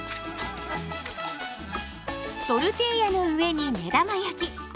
トルティーヤの上にめだま焼き。